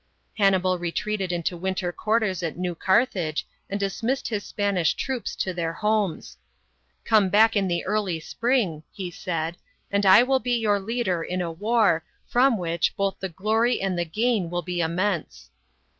Hannibal retreated into winter quarters at New Carthage and dismissed his Spanish troops to their homes. " Come back in the early spring," he said, " pnd I will be your leader in a war, from which, both the glory and the gain will be immense."